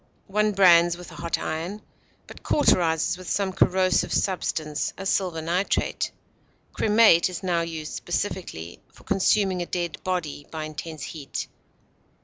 One brands with a hot iron, but cauterizes with some corrosive substance, as silver nitrate. Cremate is now used specifically for consuming a dead body by intense heat.